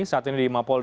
saat ini di mapol